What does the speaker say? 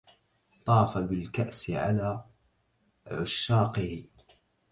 طاف بالكأس على عشاقه